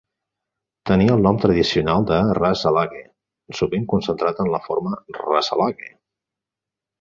Tenia el nom tradicional de "Ras Alhague", sovint concentrat en la forma "Rasalhague".